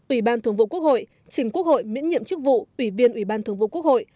ủy ban thường vụ quốc hội trình quốc hội miễn nhiệm chức vụ ủy viên ủy ban thường vụ quốc hội